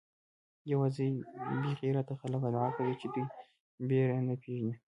یوازې بې غیرته خلک ادعا کوي چې دوی بېره نه پېژني.